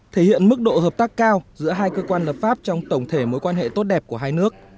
thể hiện mức độ hợp tác cao giữa hai cơ quan lập pháp trong tổng thể mối quan hệ tốt đẹp của hai nước